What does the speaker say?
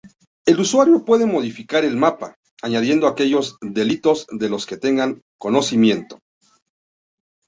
El usuario puede modificar el mapa, añadiendo aquellos delitos de los que tenga conocimiento.